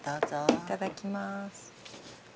いただきます。